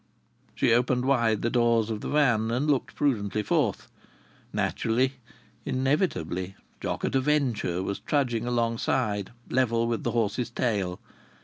She opened wide the doors of the van and looked prudently forth. Naturally, inevitably, Jock at a Venture was trudging alongside, level with the horse's tail!